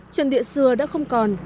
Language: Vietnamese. trần địa xưa đã không còn